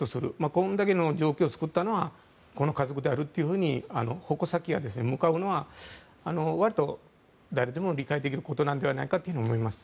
これだけの状況を作ったのはこの家族であるというふうに矛先が向かうのはわりと誰でも理解できることなのではないかと思います。